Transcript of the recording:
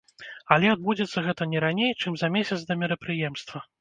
Але адбудзецца гэта не раней, чым за месяц да мерапрыемства.